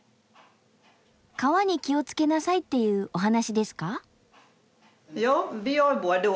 川に気をつけなさいっていうお話ですか？